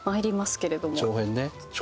長編ね。